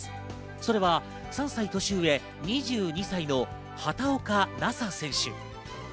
それは３歳年上、２２歳の畑岡奈紗選手。